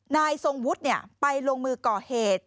นายทรงวุฒิไปลงมือก่อเหตุ